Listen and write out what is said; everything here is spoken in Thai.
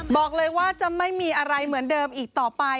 บอกเลยว่าจะไม่มีอะไรเหมือนเดิมอีกต่อไป